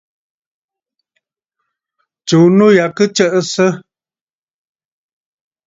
Tsùu nû ya kɨ tsəʼəsə!